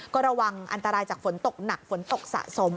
ก็ระวังอันตรายจากฝนตกหนักฝนตกสะสม